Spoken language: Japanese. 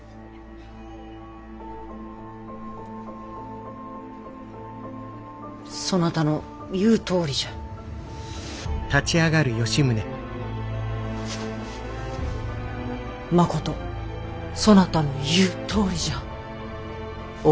まことそなたの言うとおりじゃ小川笙船。